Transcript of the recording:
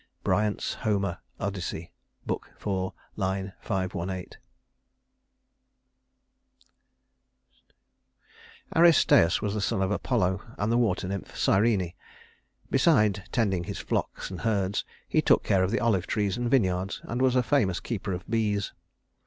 BRYANT'S Homer's Odyssey, Book IV, line 518. II Aristæus was the son of Apollo, and the water nymph, Cyrene. Beside tending his flocks and herds, he took care of the olive trees and vineyards, and was a famous keeper of bees.